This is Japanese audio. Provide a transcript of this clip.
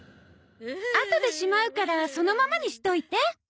あとでしまうからそのままにしておいて。